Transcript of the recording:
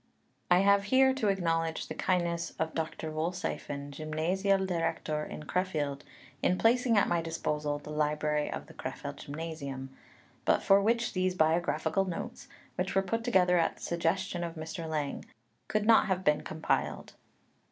I have here to acknowledge the kindness of Dr. Wollseiffen, Gymnasialdirektor in Crefeld, in placing at my disposal the library of the Crefeld Gymnasium, but for which these biographical notes, which were put together at the suggestion of Mr. Lang, could not have been compiled.